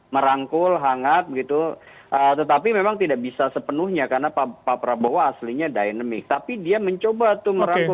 merangkul hangat gitu tetapi memang tidak bisa sepenuhnya karena pak prabowo aslinya dynamic tapi dia mencoba tuh merangkul